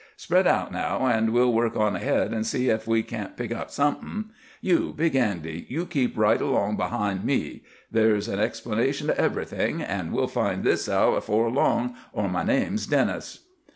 Spread out now, an' we'll work on ahead, an' see ef we can't pick up somethin'. You, Big Andy, you keep right along behind me. There's an explanation to everything—an' we'll find this out afore long, or my name's Dennis."